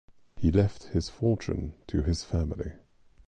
He left his fortune to his family.